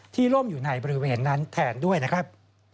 ล่มอยู่ในบริเวณนั้นแทนด้วยนะครับ